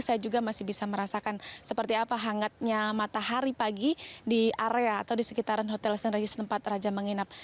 saya juga masih bisa merasakan seperti apa hangatnya matahari pagi di area atau di sekitaran hotel st regis tempat raja menginap